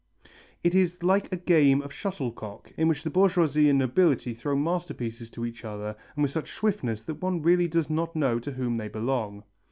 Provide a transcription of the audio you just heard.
_) "It is like a game of shuttlecock in which the bourgeoisie and nobility throw masterpieces to each other and with such swiftness that one really does not know to whom they belong."